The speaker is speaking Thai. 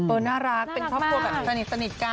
เออน่ารักเป็นครอบครัวกันสนิทกันเนาะ